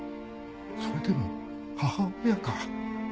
それでも母親か？